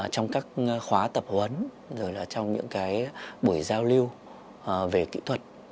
trong các khóa tập huấn rồi là trong những buổi giao lưu về kỹ thuật